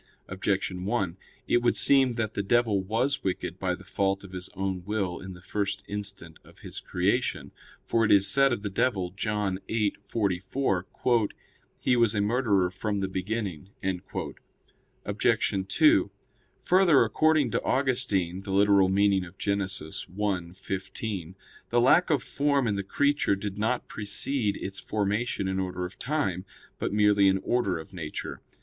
Objection 1: It would seem that the devil was wicked by the fault of his own will in the first instant of his creation. For it is said of the devil (John 8:44): "He was a murderer from the beginning." Obj. 2: Further, according to Augustine (Gen. ad lit. i, 15), the lack of form in the creature did not precede its formation in order of time, but merely in order of nature.